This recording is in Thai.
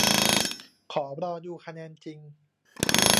ขอรอดูคะแนนจริง